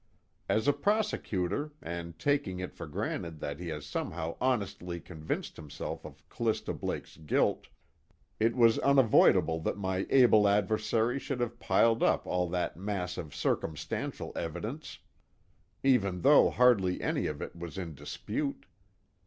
As a prosecutor, and taking it for granted that he has somehow honestly convinced himself of Callista Blake's guilt, it was unavoidable that my able adversary should have piled up all that mass of circumstantial evidence, even though hardly any of it was in dispute.